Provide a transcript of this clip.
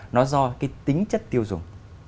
nó do cái tính chất tiêu dùng